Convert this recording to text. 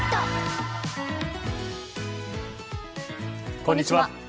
こんにちは。